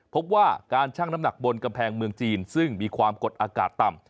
พบว่าการชั่งน้ำหนักบนกำแพงเมืองจีนซึ่งมีความกดอากาศต่ำ